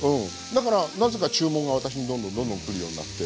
だからなぜか注文が私にどんどんどんどん来るようになって。